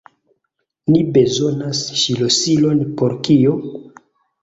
Ni bezonas ŝlosilon por kio?